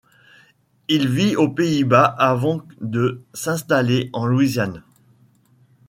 Il vit aux Pays-Bas avant de s'installer en Louisiane.